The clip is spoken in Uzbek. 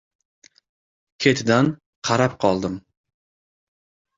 Ketidan qarab qoldim.